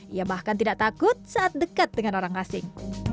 ia bahkan tidak takut saat dekat dengan orang asing